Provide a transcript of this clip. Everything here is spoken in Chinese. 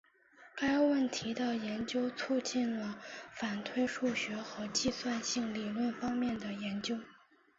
该问题的研究促进了反推数学和计算性理论方面的研究。